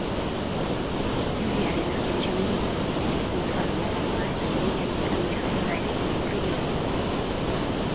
Giuliarena pentsamendu guztien epizentroa bilakatu da eta ideiarik kamikazeena ere horrekin lotzen du.